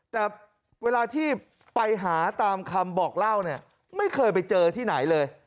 แต่เวลาที่ไปหาตามคำบอกเล่าเนี่ยไม่เคยไปเจอที่ไหนเลย